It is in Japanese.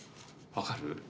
分かる？